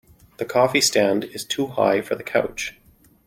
The coffee stand is too high for the couch.